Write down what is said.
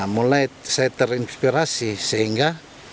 mulai saya terinspirasi sehingga